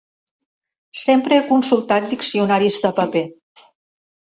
Sempre he consultat diccionaris de paper.